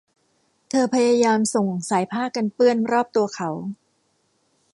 เธอพยายามส่งสายผ้ากันเปื้อนรอบตัวเขา